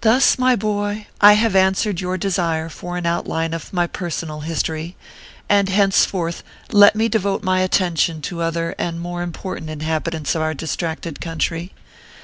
Thus, my boy, have I answered your desire for an outline of my personal history ; and henceforth let me devote my attention to other and more important 3* 30 ORPHEUS C. KERR PAPERS. inhabitants of our distracted country.